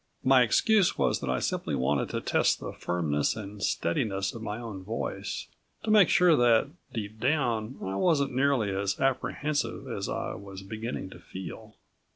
My excuse was that I simply wanted to test the firmness and steadiness of my own voice, to make sure that, deep down, I wasn't nearly as apprehensive as I was beginning to feel.